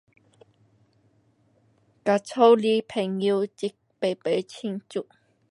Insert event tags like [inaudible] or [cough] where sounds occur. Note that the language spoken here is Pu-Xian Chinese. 现在屋里朋友 [unintelligible] [庆祝]